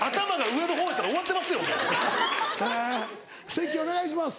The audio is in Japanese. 関お願いします。